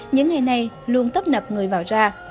những ngày nay luôn tấp nập người vào ra